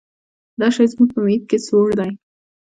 دا شی زموږ په محیط کې سوړ دی.